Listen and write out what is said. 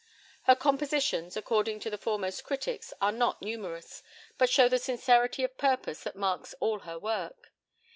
Her compositions, according to the foremost critics, are not numerous, but show the sincerity of purpose that marks all her work.